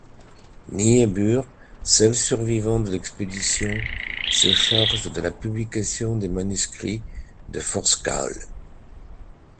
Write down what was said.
Niebuhr, seul survivant de l'expédition, se charge de la publication des manuscrits de Forsskål.